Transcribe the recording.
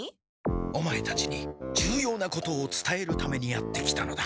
オマエたちにじゅうようなことをつたえるためにやって来たのだ。